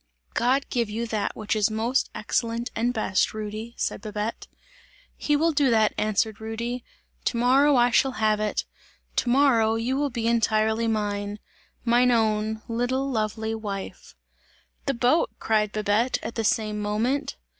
"God give you that which is most excellent and best, Rudy!" said Babette. "He will do that," answered Rudy, "to morrow I shall have it! To morrow you will be entirely mine! Mine own, little, lovely wife!" "The boat!" cried Babette at the same moment.